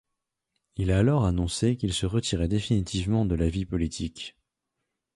Il a alors annoncé qu'il se retirait définitivement de la vie politique.